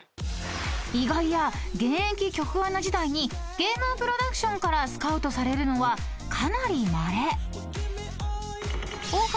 ［意外や現役局アナ時代に芸能プロダクションからスカウトされるのはかなりまれ］